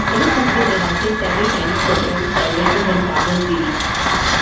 The book has been adapted several times for films, television and cartoon series.